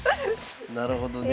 なるほどね。